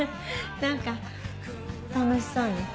何か楽しそうね。